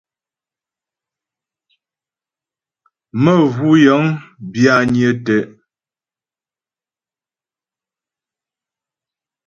Məvʉ́ yə̂ŋ bwányə́ tə́'.